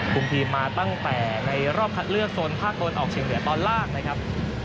คุมทีมมาตั้งแต่ในรอบคัดเลือกโซนภาคตะวันออกเฉียงเหนือตอนล่างนะครับ